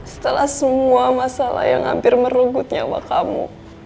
setelah semua masalah yang hampir merebut nyawa kamu